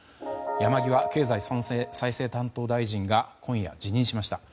山際経済再生担当大臣が今夜、辞任しました。